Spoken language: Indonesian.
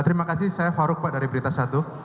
terima kasih saya faruk pak dari berita satu